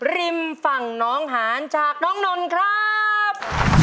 ริมฝั่งน้องหานจากน้องนนท์ครับ